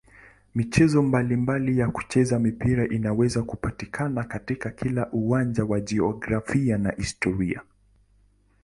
Michezo mbalimbali ya kuchezea mpira inaweza kupatikana katika kila uwanja wa jiografia na historia.